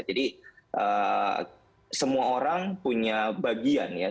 jadi semua orang punya bagian ya